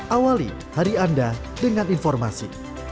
awali hari anda dengan informasi